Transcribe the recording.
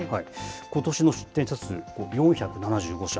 ことしの出展社数、４７５社。